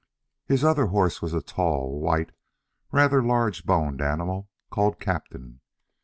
His other horse was a tall, white, rather large boned animal, called Captain.